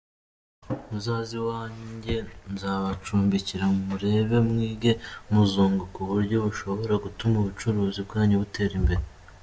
Muzaze iwanjye nzabacumbikira murebe, mwige, muzunguka uburyo mushobora gutuma ubucuruzi bwanyu butera imbere”.